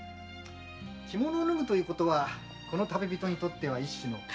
着物を脱ぐということはこの旅人にとっては一種の改革ですな。